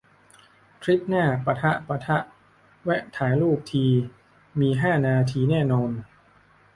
ทริปหน้า ปะทะ ปะทะ แวะถ่ายรูปทีมีห้านาทีแน่นอน